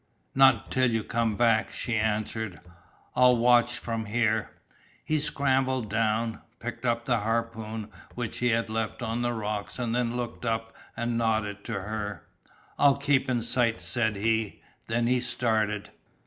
"Not till you come back," she answered. "I'll watch you from here." He scrambled down, picked up the harpoon which he had left on the rocks and then looked up and nodded to her. "I'll keep in sight," said he. Then he started.